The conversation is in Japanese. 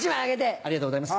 ありがとうございます。